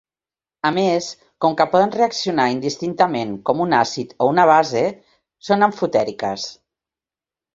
A més, com que poden reaccionar indistintament com un àcid o una base, són amfotèriques.